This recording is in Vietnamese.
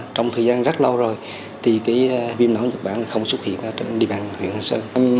trong thời gian rất lâu rồi viêm lõng nhật bản không xuất hiện trên địa bàn huyện khánh sơn